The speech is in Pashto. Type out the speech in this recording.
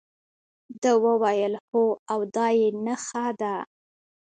ده وویل هو او دا یې نخښه ده.